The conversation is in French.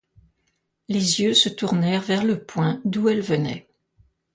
Les yeux se tournèrent vers le point d'où elle venait.